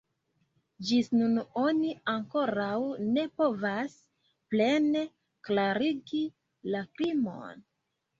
Ĝis nun oni ankoraŭ ne povas plene klarigi la krimon.